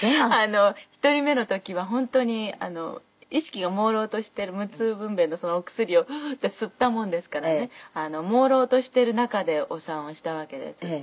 １人目の時は本当に意識がもうろうとして無痛分娩のそのお薬をウーって吸ったもんですからねもうろうとしている中でお産をしたわけです。